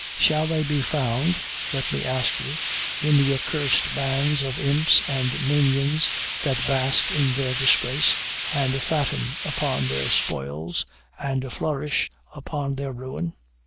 Shall they be found, let me ask you, in the accursed bands of imps and minions that bask in their disgrace, and fatten upon their spoils, and flourish upon their ruin?